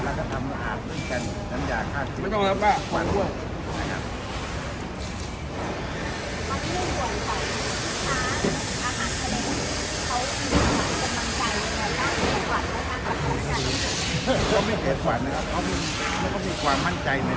ถ้าคุณและแกโดนเชื่อมั่นนะครับว่าของทะเลที่มีถ้าให้โดย